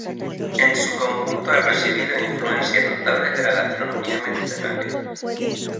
En su conjunto ha recibido influencias notables de la gastronomía mediterránea.